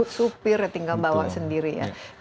supir ya tinggal bawa sendiri ya